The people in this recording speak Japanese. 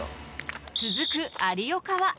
［続く有岡は］